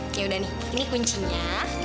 oke udah nih ini kuncinya